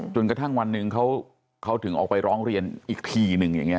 จนกระทั่งวันนึงเขาถึงออกไปร้องเรียนอีกทีนึง